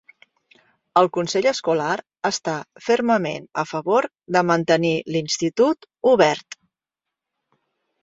El consell escolar està fermament a favor de mantenir l'institut obert.